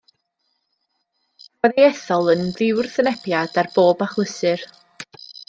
Cafodd ei ethol yn ddiwrthwynebiad ar bob achlysur.